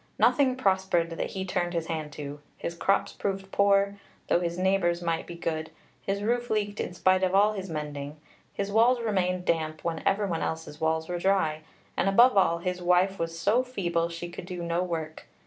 Nothing prospered that he turned his hand to; his crops proved poor, though his neighbours' might be good; his roof leaked in spite of all his mending; his walls remained damp when every one else's walls were dry; and above all, his wife was so feeble she could do no work.